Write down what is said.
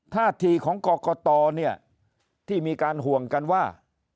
ท่าทีของกรกตเนี่ยที่มีการห่วงกันว่า